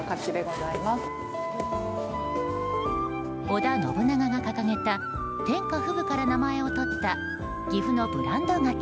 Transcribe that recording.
織田信長が掲げた天下布武から名前をとった岐阜のブランド柿